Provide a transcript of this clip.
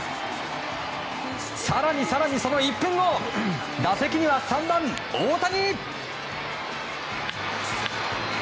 更に更にその１分後打席には３番、大谷。